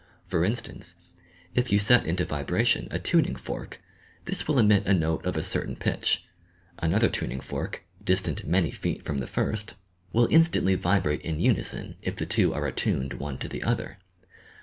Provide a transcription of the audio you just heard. For instance, if you set into vibration a tuning fork, this will emit a note of a certain pitch, another tuning fork, distant many feet from the first ; will in* is YOUR PSYCHIC POWERS stantly vibrate in unison if the two are attuued one to the other.